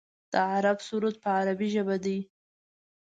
د عرب سرود په عربۍ ژبه دی.